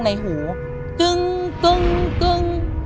ในหูกึ้งกึ้งกึ้ง